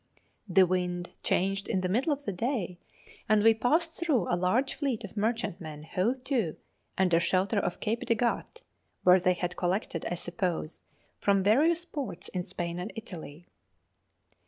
The wind changed in the middle of the day, and we passed through a large fleet of merchantmen hove to under shelter of Cape de Gat, where they had collected, I suppose, from various ports in Spain and Italy.